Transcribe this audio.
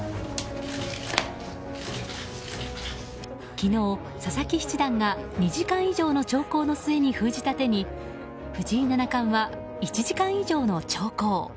昨日、佐々木七段が１時間以上の長考の末に封じた手に藤井七冠は１時間以上の長考。